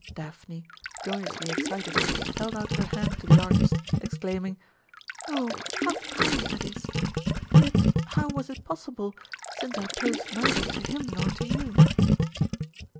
Daphne, joyously excited, held out her hand to the artist, exclaiming: "Oh, how kind that is! Yet how was it possible, since I posed neither to him nor to you?"